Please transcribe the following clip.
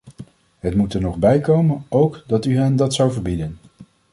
Het moest er nog bijkomen ook dat u hen dat zou verbieden!